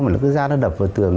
mà nó cứ ra nó đập vào tường